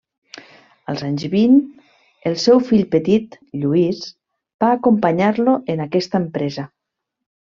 Als anys vint el seu fill petit, Lluís, va acompanyar-lo en aquesta empresa.